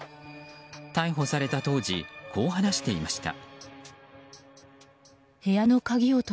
逮捕された当時こう話していました。